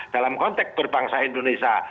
dalam konteks berbangsa indonesia